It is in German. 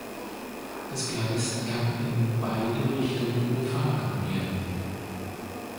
Das Gleis kann in beide Richtungen befahren werden.